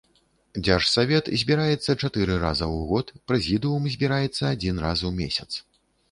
Дзяржсавет збіраецца чатыры раза ў год, прэзідыум збіраецца адзін раз у месяц.